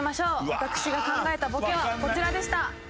私が考えたボケはこちらでした。